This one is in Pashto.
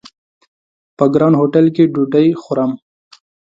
په ګران هوټل کې ډوډۍ خورم!